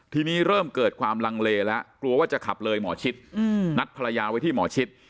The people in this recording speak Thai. ทีนี้เริ่มเกิดความลังเลแล้วกลัวว่าจะขับเลยหมอชิดนัดภรรยาไว้ที่หมอชิด